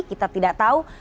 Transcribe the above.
kita tidak tahu